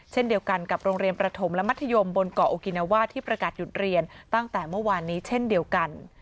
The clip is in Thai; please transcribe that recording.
เช่นเดียวกันกับโรงเรียนประถมและมัธยมบนเกาะโอกินาวาที่ประกาศหยุดเรียนตั้งแต่เมื่อวานนี้เช่นเดียวกัน